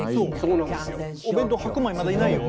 お弁当白米まだいないよ。